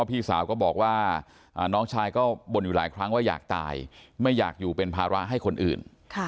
พี่สาวก็บอกว่าน้องชายก็บ่นอยู่หลายครั้งว่าอยากตายไม่อยากอยู่เป็นภาระให้คนอื่น